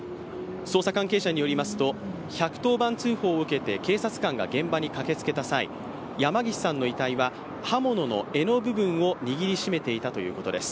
捜査関係者によりますと１１０番通報を受けて警察官が現場に駆けつけた際山岸さんの遺体は刃物の柄の部分を握りしめていたということです。